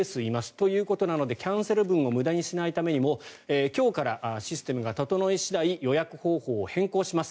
ということなのでキャンセル分を無駄にしないためにも今日からシステムが整い次第予約方法を変更します。